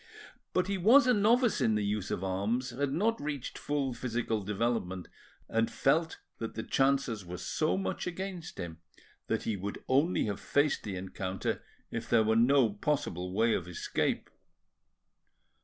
But he was a novice in the use of arms, had not reached full physical development, and felt that the chances were so much against him that he would only have faced the encounter if there were no possible way of escape.